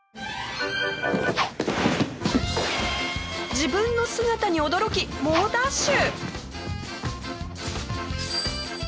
自分の姿に驚き猛ダッシュ！